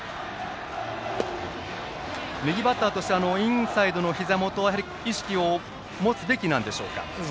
右バッターとしてインサイドのひざ元は意識を持つべきなんでしょうか。